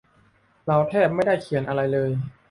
เราแทบไม่ได้เขียนอะไรเลย